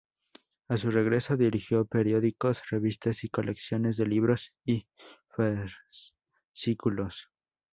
A su regreso, dirigió periódicos, revistas y colecciones de libros y fascículos.